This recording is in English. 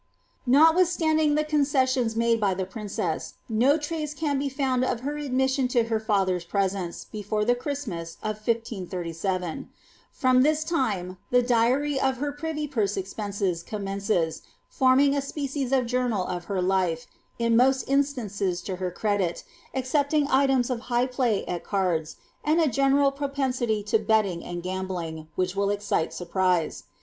Notwithstanding the concessions made by the princess, no trace can be found of her admission to her father's presence, before the Christmas of 1 537. From this time the diary of her privy purse expenses com mences, forming a species of journal of her life, in most instances to her credit, excepting items of high play at cards, and a general propen sity to betting and gamhlin<;, which will excite surprise.